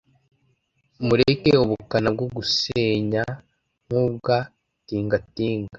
Mureke ubukana bwo gusenya nkubwa tingatinga